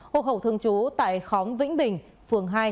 hộp hậu thương chú tại khóm vĩnh bình phường hai